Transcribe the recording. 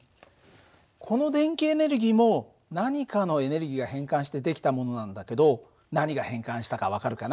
この電気エネルギーも何かのエネルギーが変換して出来たものなんだけど何が変換したか分かるかな？